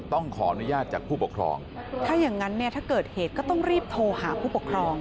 ต้องขออนุญาตจากผู้ปกครองถ้าอย่างงั้นเนี่ยถ้าเกิดเหตุก็ต้องรีบโทรหาผู้ปกครอง